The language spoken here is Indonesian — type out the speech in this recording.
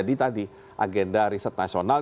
tadi agenda riset nasional